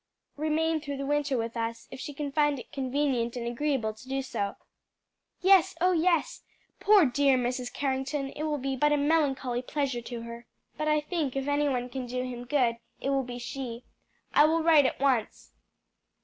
remain through the winter with us, if she can find it convenient and agreeable to do so?" "Yes, oh yes! poor dear Mrs. Carrington; it will be but a melancholy pleasure to her. But I think if any one can do him good it will be she. I will write at once."